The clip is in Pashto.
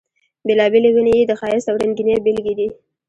بېلابېلې ونې یې د ښایست او رنګینۍ بېلګې دي.